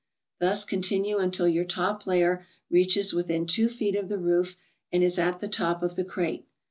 Thus continue until your top layer reaches within two feet of the roof, and is at the top of the crate.